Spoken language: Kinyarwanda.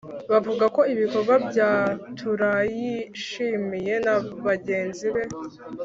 bavuga ko ibikorwa bya turayishimiye na bagenzi be